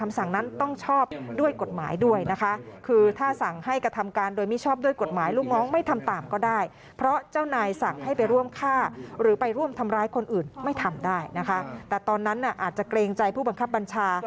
ร้ายคนอื่นไม่ทำได้นะคะแต่ตอนนั้นน่ะอาจจะเกรงใจผู้บังคับบัญชา